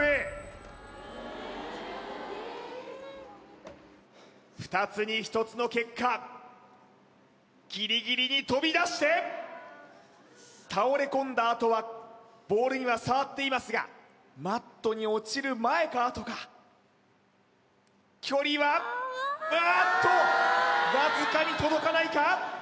ええ２つに１つの結果ギリギリにとび出して倒れ込んだあとはボールには触っていますがマットに落ちる前かあとか距離はうわっとわずかに届かないか？